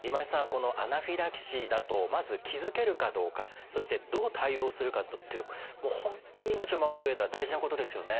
このアナフィラキシーだとまず気付けるかどうかそしてどう対応するかという本当に命を守る上では大事なことですよね。